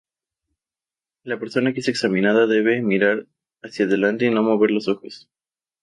La persona que es examinada debe mirar hacia adelante y no mover sus ojos.